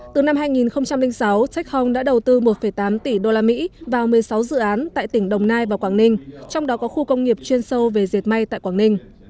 từ năm hai nghìn sáu tech hong đã đầu tư một tám tỷ usd vào một mươi sáu dự án tại tỉnh đồng nai và quảng ninh trong đó có khu công nghiệp chuyên sâu về dệt may tại quảng ninh